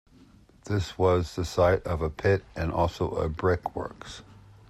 This was the site of a pit and also a brick works.